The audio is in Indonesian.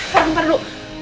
fer bentar dulu